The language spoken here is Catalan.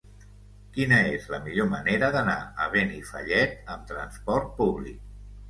Quina és la millor manera d'anar a Benifallet amb trasport públic?